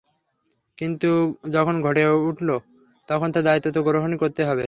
কিন্তু যখন ঘটে উঠল তখন তার দায়িত্ব তো গ্রহণ করতেই হবে।